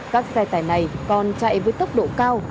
các xe tải này còn chạy với tốc độ cao